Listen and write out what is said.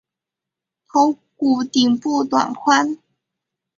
头骨顶部短宽。